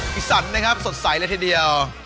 อีสานนะครับสดใสเลยทีเดียว